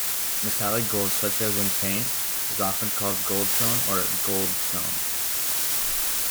Metallic gold, such as in paint, is often called goldtone or gold tone.